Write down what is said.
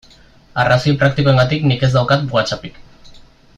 Arrazoi praktikoengatik nik ez daukat WhatsAppik.